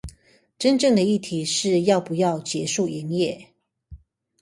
真正的議題是要不要結束營業